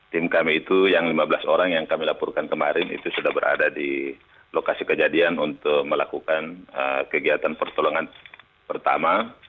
tim kami itu yang lima belas orang yang kami laporkan kemarin itu sudah berada di lokasi kejadian untuk melakukan kegiatan pertolongan pertama